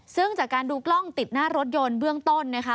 ซึ่งจากการดูกล้องติดหน้ารถยนต์เบื้องต้นนะคะ